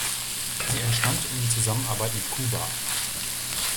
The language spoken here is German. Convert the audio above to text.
Sie entstand in Zusammenarbeit mit Kuba.